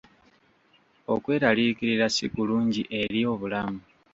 Okweraliikirira si kulungi eri obulamu.